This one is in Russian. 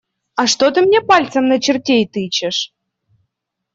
А что ты мне пальцем на чертей тычешь?